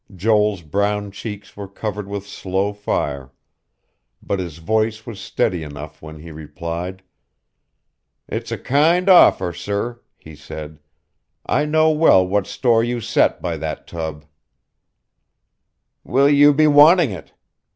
Joel's brown cheeks were covered with slow fire; but his voice was steady enough when he replied. "It's a kind offer, sir," he said. "I know well what store you set by that tub." "Will you be wanting it?"